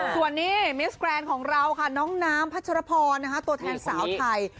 ส่วนนี้มิสแกรนด์ของเราค่ะน้องน้ำพัชรพรตัวแทนสาวไทย